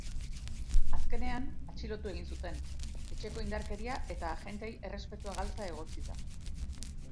Azkenean, atxilotu egin zuten, etxeko indarkeria eta agenteei errespetua galtzea egotzita.